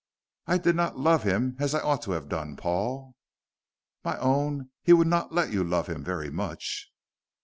"I did not love him as I ought to have done, Paul." "My own, he would not let you love him very much."